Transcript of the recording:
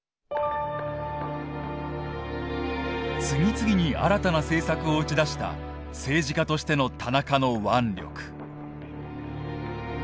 次々に新たな政策を打ち出した政治家としての田中の腕力。